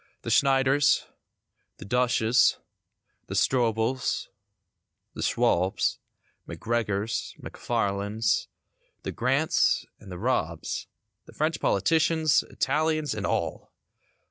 The Schneiders; the Dusches; the Stroebels; the Schwalbs; McGregors; McFarlands; the Grants and the Robbs The French politicians; Italians and all.